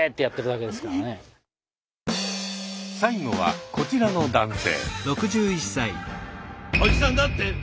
最後はこちらの男性。